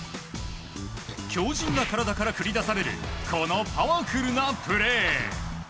強靭な体から繰り出されるこのパワフルなプレー。